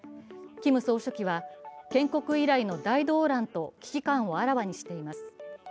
キム総書記は、建国以来の大動乱と危機感をあらわにしています。